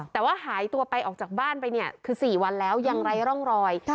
แต่ว่าหายตัวไปออกจากบ้านไปเนี่ยคือ๔วันแล้วยังไร้ร่องรอย